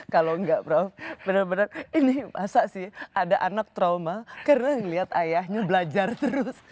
kalau enggak prof benar benar ini masa sih ada anak trauma keren lihat ayahnya belajar terus